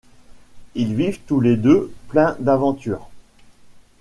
Ils vivent tous les deux plein d'aventures.